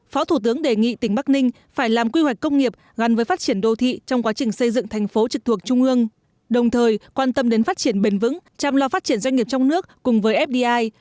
phó thủ tướng đề nghị tỉnh bắc ninh phải làm quy hoạch công nghiệp gắn với phát triển đô thị trong quá trình xây dựng thành phố trực thuộc trung ương đồng thời quan tâm đến phát triển bền vững chăm lo phát triển doanh nghiệp trong nước cùng với fdi